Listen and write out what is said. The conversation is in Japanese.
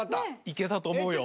いけたと思うよ。